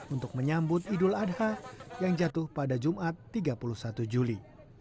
untuk menyambut idul adha yang jatuh pada jumat tiga puluh satu juli